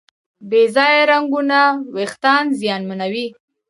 بې ځایه رنګونه وېښتيان زیانمنوي.